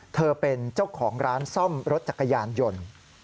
เธอเป็นเจ้าของร้านซ่อมรถจักรยานยนต์